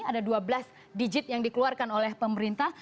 ada dua belas digit yang dikeluarkan oleh pemerintah